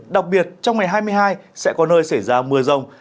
đặc biệt trong ngày hai mươi hai sẽ có nơi xảy ra mưa rông